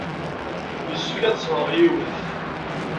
Yessefk ad d-sɣeɣ yiwet.